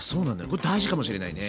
これ大事かもしれないね。